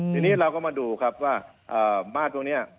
ทีนี้เราก็มาดูว่ามาร์ดตรงนี้